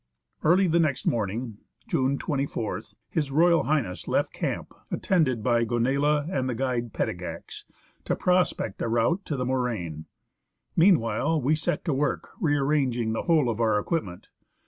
Early the next morning (June 24th) H.R.H. left camp attended by Gonella and the guide Petigax, to prospect a route to the moraine. Meanwhile we set to work re arranging the whole of our equipment.